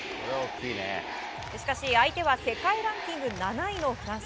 しかし、相手は世界ランキング７位のフランス。